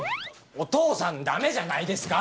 お父さんダメじゃないですか！